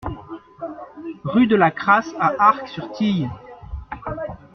Rue de la Cras à Arc-sur-Tille